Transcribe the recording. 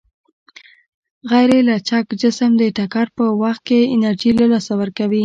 غیرلچک جسم د ټکر په وخت کې انرژي له لاسه ورکوي.